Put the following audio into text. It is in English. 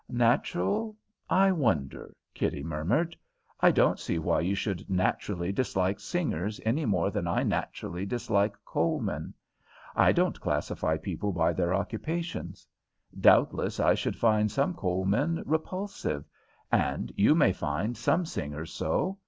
"Natural, I wonder?" Kitty murmured. "I don't see why you should naturally dislike singers any more than I naturally dislike coal men. I don't classify people by their occupations. Doubtless I should find some coal men repulsive, and you may find some singers so.